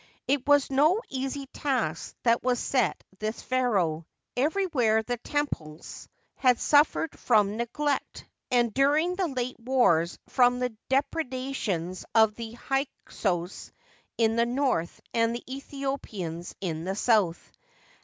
It was no easy task that was set this pharaoh. Everywhere the temples nad suffered from neglect and, during the late wars, from the depredations of the Hyksos in the north and the Aethiopians in the south.